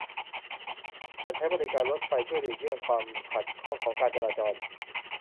ฉันใช้บริการรถไฟเพื่อหลีกเลี่ยงความขัดข้องของการจราจร